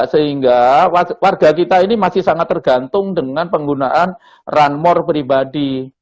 sehingga warga kita ini masih sangat tergantung dengan penggunaan run more pribadi